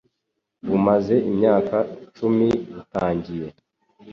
bumaze imyaka icumi butangiye,